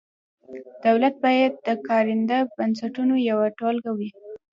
دولت باید د کارنده بنسټونو یوه ټولګه وي.